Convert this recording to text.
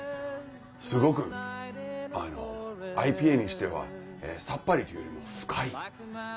すごくＩＰＡにしてはさっぱりというよりも深い。